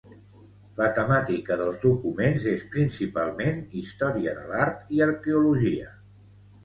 La temàtica dels documents és principalment història de l'art i arqueologia.